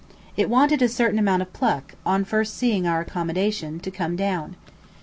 It wanted a certain amount of pluck, on first seeing our accommodation, to come down.